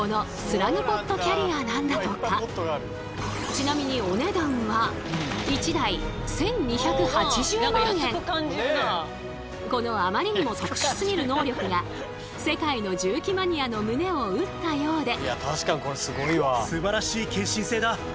ちなみにお値段は１台このあまりにも特殊すぎる能力が世界の重機マニアの胸を打ったようで。